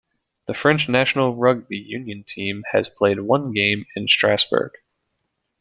The French national rugby union team has played one game in Strasbourg.